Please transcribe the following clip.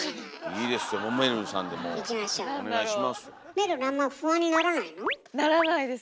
めるるあんま不安にならないの？ならないです。